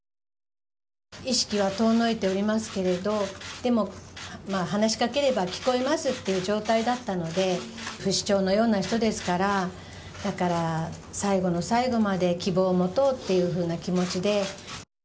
意識は遠のいておりますけども話しかければ聞こえますっていう状態だったので不死鳥のような人ですから最後の最後まで希望を持とうというような気持ちで。